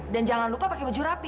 dan jangan lupa pakai baju rapi